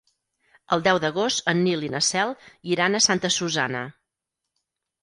El deu d'agost en Nil i na Cel iran a Santa Susanna.